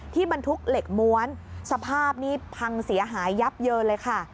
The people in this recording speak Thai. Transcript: บรรทุกเหล็กม้วนสภาพนี้พังเสียหายยับเยินเลยค่ะ